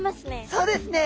そうですね。